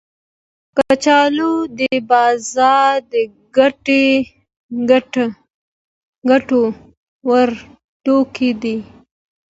کچالو د بازار د ګټه ور توکي دي